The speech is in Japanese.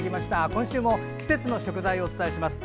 今週も季節の食材をお伝えします。